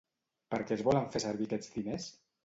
Per què es volen fer servir aquests diners?